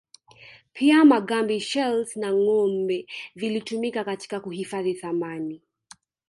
Pia magamba shells na ngombe vilitumika katika kuhifadhi thamani